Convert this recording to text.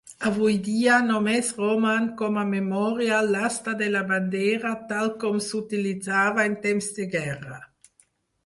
Avui dia, només roman com a memorial l'asta de la bandera tal com s'utilitzava en temps de guerra.